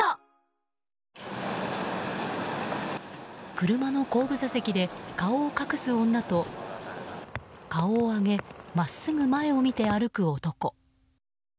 車の後部座席で顔を隠す女と顔を上げ真っすぐ前を見て歩く男。